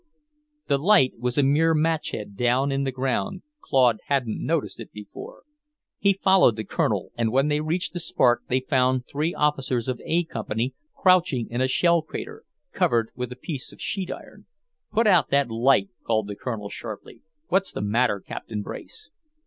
The light was a mere match head down in the ground, Claude hadn't noticed it before. He followed the Colonel, and when they reached the spark they found three officers of A Company crouching in a shell crater, covered with a piece of sheet iron. "Put out that light," called the Colonel sharply. "What's the matter, Captain Brace?"